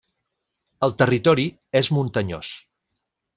El territori és muntanyós.